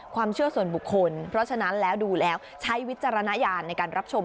ความเชื่อส่วนบุคคลเพราะฉะนั้นแล้วดูแล้วใช้วิจารณญาณในการรับชม